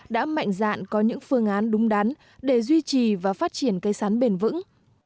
đã mạnh dạn có những phương án đúng đắn để duy trì và phát triển cây sắn bền vững